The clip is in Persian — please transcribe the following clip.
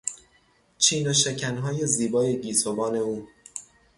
چین و شکنهای زیبای گیسوان او